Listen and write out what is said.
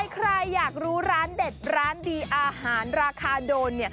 ใครอยากรู้ร้านเด็ดร้านดีอาหารราคาโดนเนี่ย